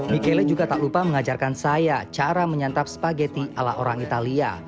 michele juga tak lupa mengajarkan saya cara menyantap spageti ala orang italia